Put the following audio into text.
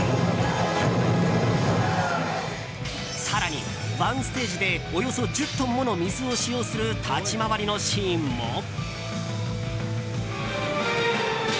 更に、１ステージでおよそ１０トンもの水を使用する立ち回りのシーンも。